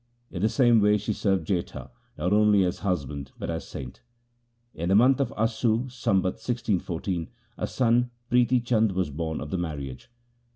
In the same way she served Jetha not only as husband but as saint. In the month of Assu, Sambat 1614, a son, Prithi Chand, was born of the marriage.